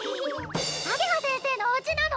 あげは先生のおうちなの？